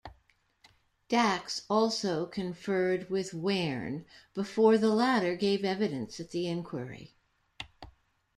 Dax also conferred with Wearne before the latter gave evidence at the Inquiry.